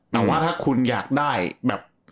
แต่ว่าถ้าคุณอยากได้แบบ